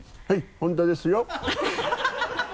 本田ですよ。